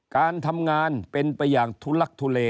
การทำงานเป็นประหย่างทุลักษณ์ทุเล